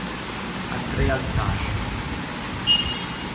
Ha tre altari.